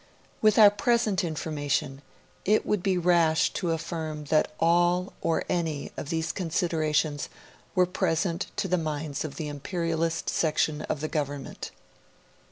With our present information, it would be rash to affirm that all, or any, of these considerations were present to the minds of the imperialist section of the Government.